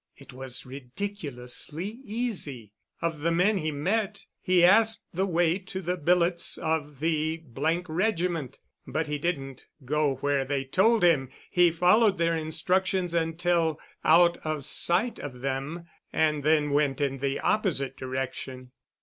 It was ridiculously easy. Of the men he met he asked the way to the billets of the —th Regiment. But he didn't go where they told him. He followed their instructions until out of sight of them, and then went in the opposite direction.